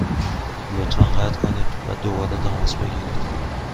لطفا قطع کنید و دوباره تماس بگیرید.